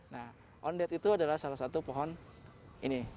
nah ondet itu adalah salah satu pohon ini